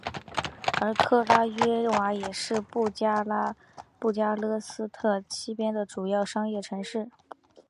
而克拉约瓦也是布加勒斯特西边的主要商业城市。